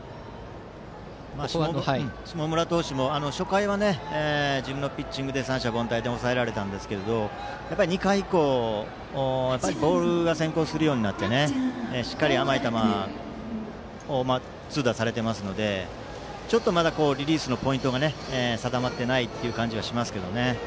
下村投手も初回は自分のピッチングで三者凡退に抑えられたんですが２回以降、ボールが先行するようになりしっかり甘い球を痛打されていますのでちょっとリリースのポイントが定まっていない感じがします。